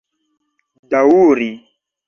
daŭri